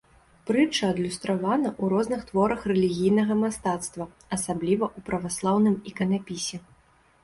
Прытча адлюстравана ў розных творах рэлігійнага мастацтва, асабліва ў праваслаўным іканапісе.